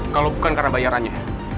kalau bukan karena bayarannya